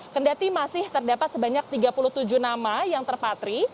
kendati masih terdapat sebanyak tiga puluh tujuh nama yang terpatri